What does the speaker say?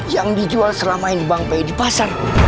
yang dijual selama ini bank pi di pasar